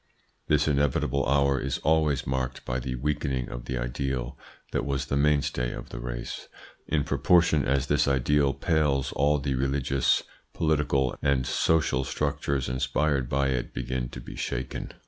This inevitable hour is always marked by the weakening of the ideal that was the mainstay of the race. In proportion as this ideal pales all the religious, political, and social structures inspired by it begin to be shaken.